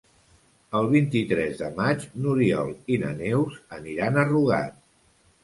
El vint-i-tres de maig n'Oriol i na Neus aniran a Rugat.